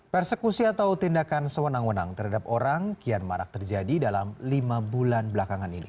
persekusi atau tindakan sewenang wenang terhadap orang kian marak terjadi dalam lima bulan belakangan ini